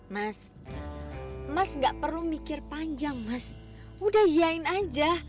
mas mas gak perlu mikir panjang mas udah yein aja